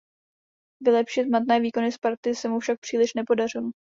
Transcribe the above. Vylepšit matné výkony Sparty se mu však příliš nepodařilo.